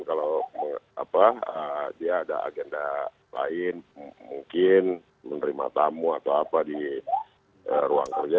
kalau dia ada agenda lain mungkin menerima tamu atau apa di ruang kerja